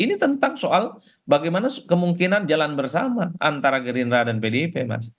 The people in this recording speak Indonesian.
ini tentang soal bagaimana kemungkinan jalan bersama antara gerindra dan pdip mas